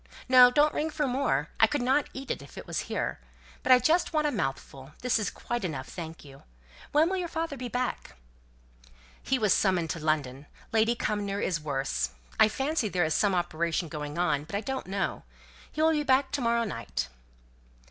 No, don't ring for more. I could not eat it if it was here. But I just want a mouthful; this is quite enough, thank you. When will your father be back?" "He was summoned up to London. Lady Cumnor is worse. I fancy there is some operation going on; but I don't know. He will be back to morrow night."